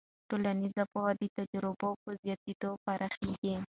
ټولنیز پوهه د تجربو په زیاتېدو پراخېږي.